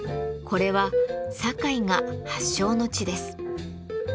これは堺が発祥の地です。